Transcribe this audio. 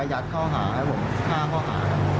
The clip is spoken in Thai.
ยัดข้อหาไปให้ผมสะกางข้อหา